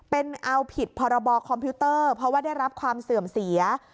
เป็นเอาผิดพรบคอมพิวเตอร์เพราะว่าได้รับความเสื่อมเสีย